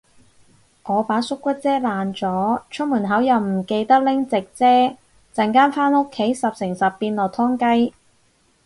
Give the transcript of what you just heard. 我把縮骨遮爛咗，出門口又唔記得拎直遮，陣間返屋企十成十變落湯雞